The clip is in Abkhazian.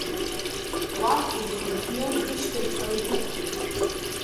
Уантәи ихынҳәны рышьҭахьҟа идәықәлеит.